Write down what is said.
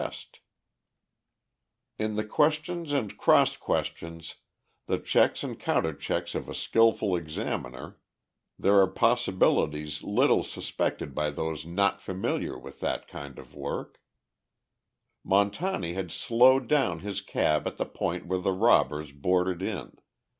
RILEY Lieutenant and Aide to Commissioner Dougherty ] In the questions and cross questions, the checks and counter checks of a skillful examiner, there are possibilities little suspected by those not familiar with that kind of work. Montani had slowed down his cab at the point where the robbers boarded it.